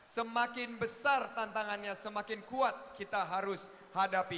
semakin besar tantangannya semakin kuat kita harus hadapi